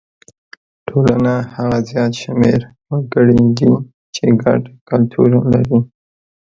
ټولنه هغه زیات شمېر وګړي دي چې ګډ کلتور لري.